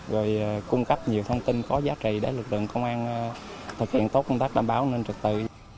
rồi cung cấp nhiều thông tin có giá trị để lực lượng công an thực hiện tốt công tác đảm bảo an ninh trật tự